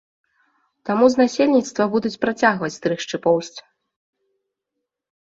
Таму з насельніцтва будуць працягваць стрыгчы поўсць.